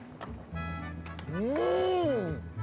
うん！